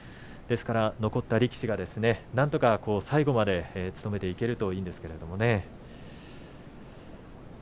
残った力士が、なんとか最後まで務めていけるといいですけれどね。